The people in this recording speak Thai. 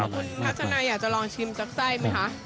คุณพัชชันด๊วยอยากจะชิมจากใส่ไหมคะ